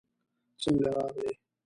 څنګه راغلې؟